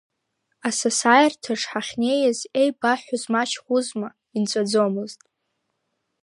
Асасаирҭаҿы ҳахьнеиз еибаҳҳәоз мачхәызма, инҵәаӡомызт.